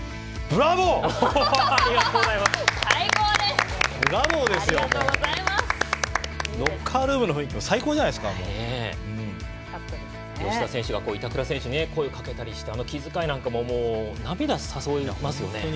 ロッカールームの雰囲気も吉田選手が板倉選手に声をかけたりして気遣いなんかも涙を誘いますよね。